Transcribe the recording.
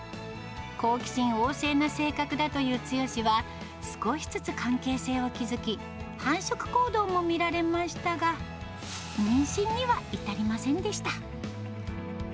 好奇心旺盛な性格だというツヨシは、少しずつ関係性を築き、繁殖行動も見られましたが、妊娠には至りませんでした。